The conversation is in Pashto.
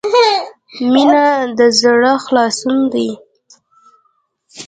• مینه د زړۀ خلاصون دی.